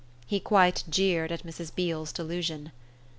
He quite jeered at Mrs. Beale's delusion.